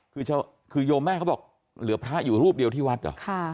คือโยมแม่เขาบอกเหลือพระอยู่รูปเดียวที่วัดเหรอ